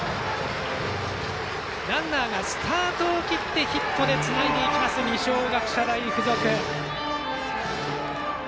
ランナー、スタートを切ってヒットでつないでいった二松学舎大付属。